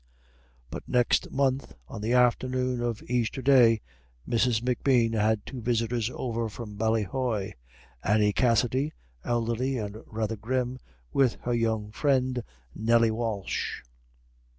But next month, on the afternoon of Easter Day, Mrs. M'Bean had two visitors over from Ballyhoy: Annie Cassidy, elderly and rather grim, with her young friend Nelly Walsh.